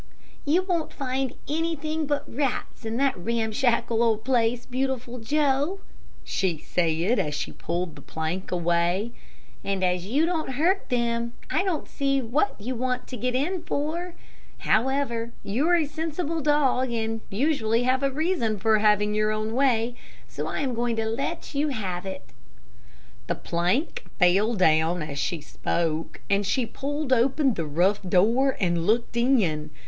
"You won't find anything but rats in that ramshackle old place, Beautiful Joe," she said, as she pulled the plank away; "and as you don't hurt them, I don't see what you want to get in for. However, you are a sensible dog, and usually have a reason for having your own way, so I am going to let you have it." The plank fell down as she spoke, and she pulled open the rough door and looked in.